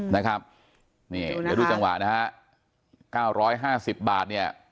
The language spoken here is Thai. เดี๋ยวดูจังหวะนะครับ๙๕๐บาทเนี่ย